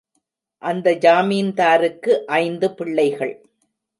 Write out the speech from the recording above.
அந்த ஜமீன்தாருக்கு ஐந்து பிள்ளைகள்.